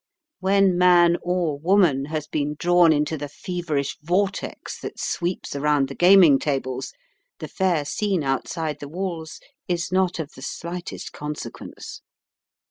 When man or woman has been drawn into the feverish vortex that sweeps around the gaming tables, the fair scene outside the walls is not of the slightest consequence.